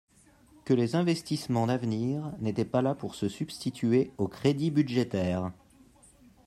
que les investissements d’avenir n’étaient pas là pour se substituer aux crédits budgétaires.